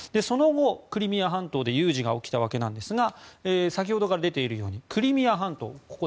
その後、クリミア半島で有事が起きたわけですが先ほどから出ているようにクリミア半島。